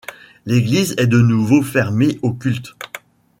L'église est de nouveau fermée au culte.